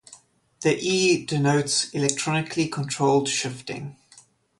The "E" denotes electronically controlled shifting.